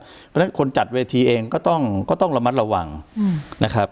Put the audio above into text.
เพราะฉะนั้นคนจัดเวทีเองก็ต้องระมัดระวังนะครับ